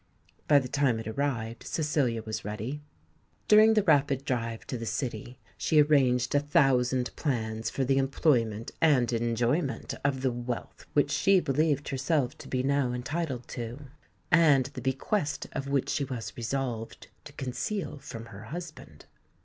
By the time it arrived Cecilia was ready. During the rapid drive to the City, she arranged a thousand plans for the employment and enjoyment of the wealth which she believed herself to be now entitled to, and the bequest of which she was resolved to conceal from her husband.